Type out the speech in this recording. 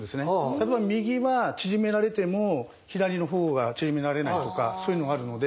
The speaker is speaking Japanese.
例えば右は縮められても左の方が縮められないとかそういうのがあるので。